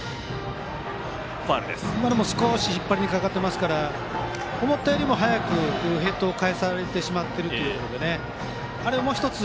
今のも引っ張りにかかっていたので思ったよりも早くヘッドを返されてしまっているということであれをもう１つ